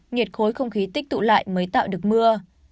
nhiệt khối không khí tích tụ lại mới tạo được mưa